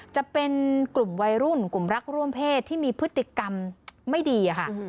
จะเป็นกลุ่มวัยรุ่นกลุ่มรักร่วมเพศที่มีพฤติกรรมไม่ดีค่ะ